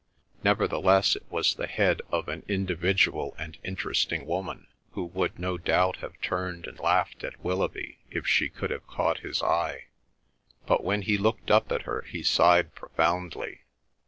Nevertheless it was the head of an individual and interesting woman, who would no doubt have turned and laughed at Willoughby if she could have caught his eye; but when he looked up at her he sighed profoundly.